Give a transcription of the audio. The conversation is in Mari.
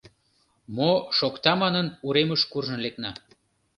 Мо шокта манын, уремыш куржын лекна.